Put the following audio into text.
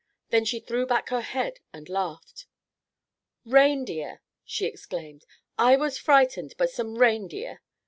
Then she threw back her head and laughed. "Reindeer," she exclaimed. "I was frightened by some reindeer.